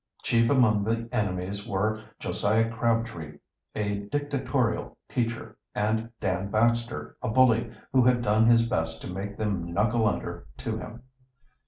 Chief among the enemies were Josiah Crabtree, a dictatorial teacher, and Dan Baxter, a bully who had done his best to make them "knuckle under" to him.